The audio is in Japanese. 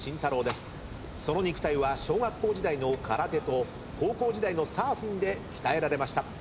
その肉体は小学校時代の空手と高校時代のサーフィンで鍛えられました。